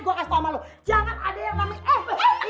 kalo kenapa sih mereka nasing gue